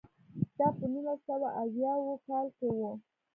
دا په نولس سوه اویاووه کال کې و.